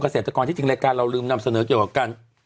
กระเสตกรณ์ที่จริงรายการเราลืมนำเสนอกัน